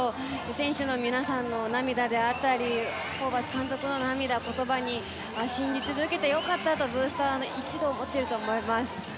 選手の皆さんの涙であったりホーバス監督の涙、言葉に信じ続けてよかったとブースター一同思っていると思います。